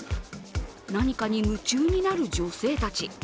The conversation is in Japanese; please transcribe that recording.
何かに夢中になる女性たち。